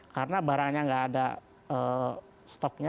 karena barangnya nggak ada stoknya